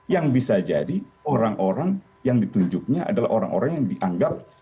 yang bisa jadi orang orang yang ditunjuknya adalah orang orang yang dianggap